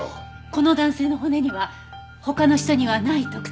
この男性の骨には他の人にはない特徴がありました。